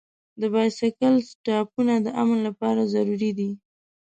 د بایسکل سټاپونه د امن لپاره ضروري دي.